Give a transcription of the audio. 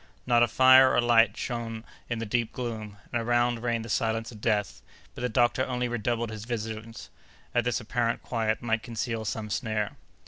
Not a fire or light shone in the deep gloom, and around reigned the silence of death; but the doctor only redoubled his vigilance, as this apparent quiet might conceal some snare.